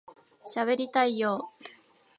しゃべりたいよ～